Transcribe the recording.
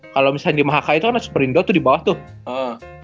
kalau misalnya di mahaka itu kan harus perindo tuh di bawah tuh